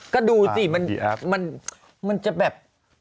ก็ดูสิมันจะแบบ